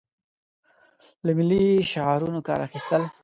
له ملي شعارونو کار اخیستل.